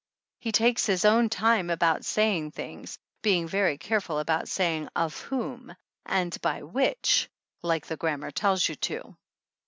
He takes his own time about saying things, being very careful about saying "of whom" and "by which" like the grammar tells you to.